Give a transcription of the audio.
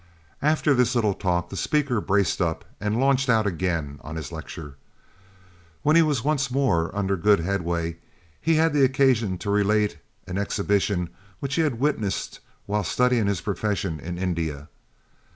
After this little talk, the speaker braced up and launched out again on his lecture. When he was once more under good headway, he had occasion to relate an exhibition which he had witnessed while studying his profession in India.